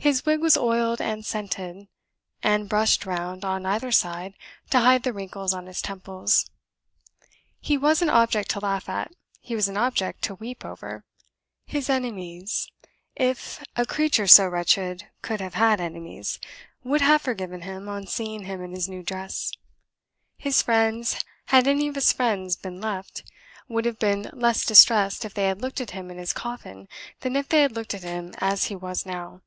His wig was oiled and scented, and brushed round, on either side, to hide the wrinkles on his temples. He was an object to laugh at; he was an object to weep over. His enemies, if a creature so wretched could have had enemies, would have forgiven him, on seeing him in his new dress. His friends had any of his friends been left would have been less distressed if they had looked at him in his coffin than if they had looked at him as he was now.